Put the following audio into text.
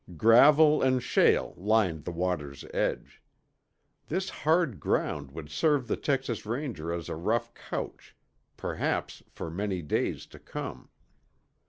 Gravel and shale lined the water's edge. This hard ground would serve the Texas Ranger as a rough couch, perhaps for many days to come.